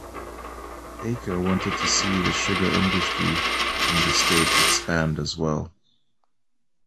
Acker wanted to see the sugar industry in the state expanded as well.